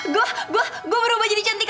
gue gue gue berubah jadi cantiknya